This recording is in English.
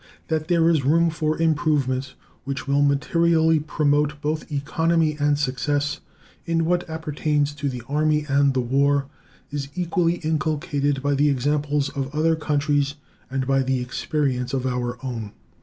That there is room for improvements which will materially promote both economy and success in what appertains to the Army and the war is equally inculcated by the examples of other countries and by the experience of our own.